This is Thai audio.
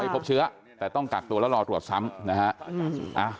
พบเชื้อแต่ต้องกักตัวแล้วรอตรวจซ้ำนะฮะ